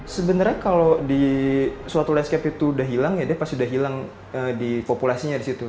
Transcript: sebenarnya kalau di suatu landscape itu udah hilang ya dia pasti udah hilang di populasinya di situ